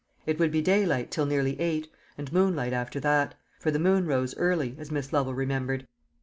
It would be daylight till nearly eight, and moonlight after that; for the moon rose early, as Miss Lovel remembered.